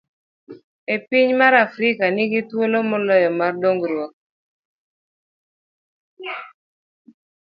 A. Piny mar Afrika ni gi thuolo moloyo mar dongruok.